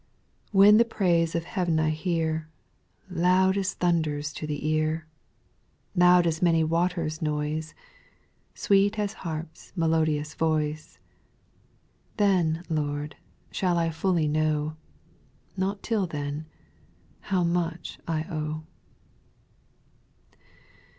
4. When the praise of lieav'n I hear, Loud as thunders to the ear. Loud as many waters' noise. Sweet as harp's melodious voice, Then, Lord, shall I fully know, — Not till then, — how much I owe.